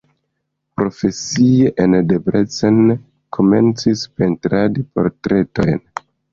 Profesie en Debrecen komencis pentradi portretojn.